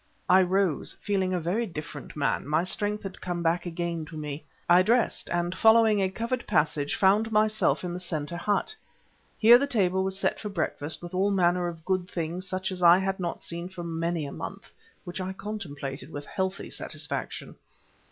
I rose, feeling a very different man, my strength had come back again to me; I dressed, and following a covered passage found myself in the centre hut. Here the table was set for breakfast with all manner of good things, such as I had not seen for many a month, which I contemplated with healthy satisfaction.